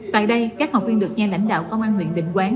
tại đây các học viên được nghe lãnh đạo công an huyện định quán